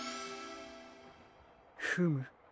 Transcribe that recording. フム。